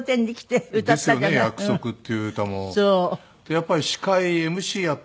やっぱり司会ＭＣやっても。